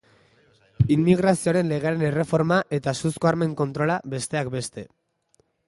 Immigrazioaren legearen erreforma eta suzko armen kontrola, besteak beste.